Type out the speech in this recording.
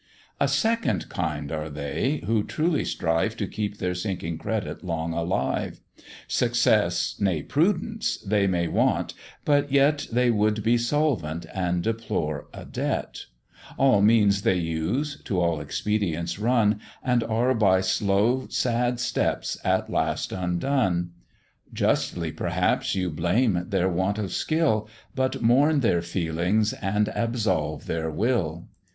A second kind are they, who truly strive To keep their sinking credit long alive; Success, nay prudence, they may want, but yet They would be solvent, and deplore a debt; All means they use, to all expedients run, And are by slow, sad steps, at last undone: Justly, perhaps, you blame their want of skill, But mourn their feelings and absolve their will.